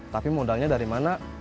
tapi modalnya dari mana